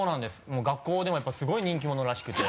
もう学校でもやっぱりすごい人気者らしくて。